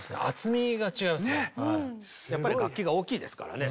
やっぱり楽器が大きいですからね